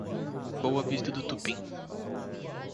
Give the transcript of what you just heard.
Boa Vista do Tupim